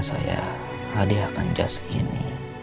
saya hadiahkan jasa ini